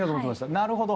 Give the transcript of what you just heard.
なるほど。